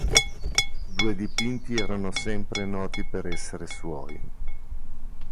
Due dipinti erano sempre noti per essere suoi.